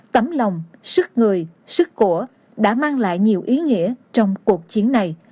tấm lòng sức người sức của đã mang lại nhiều ý nghĩa trong cuộc chiến này